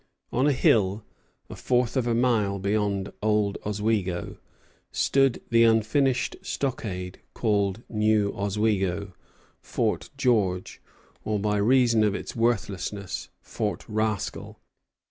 On a hill, a fourth of a mile beyond Old Oswego, stood the unfinished stockade called New Oswego, Fort George, or, by reason of its worthlessness, Fort Rascal.